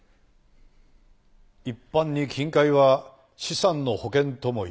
一般に金塊は「資産の保険」とも言われます。